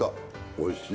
おいしい。